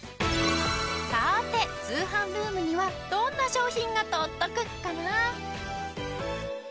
さて通販ルームにはどんな商品が届くかな？